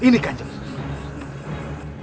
ini kanjeng sunan